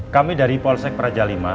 kami dari polsek peraja lima